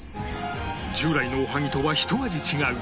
従来のおはぎとはひと味違う